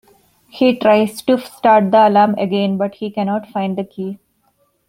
He tries to start the alarm again, but he cannot find the key.